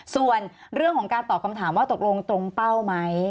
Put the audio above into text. ส่วนเรื่องของการตอบคำถามว่าตกลงตรงเป้าไหม